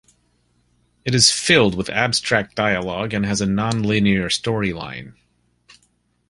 It is filled with abstract dialogue and has a non-linear storyline.